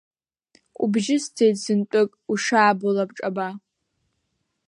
Убжьысӡеит зынтәык, ушаабо лабҿаба.